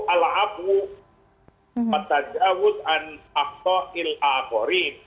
ala'abwu patajawud an akto il'akhorin